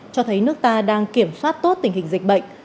cho thấy nước ta đang kiểm soát tốt tình hình dịch bệnh